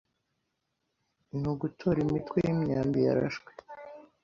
Nugutora imitwe yimyambi yarashwe